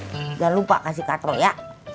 jangan lupa kasih katro ya